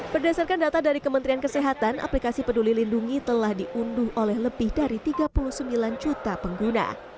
berdasarkan data dari kementerian kesehatan aplikasi peduli lindungi telah diunduh oleh lebih dari tiga puluh sembilan juta pengguna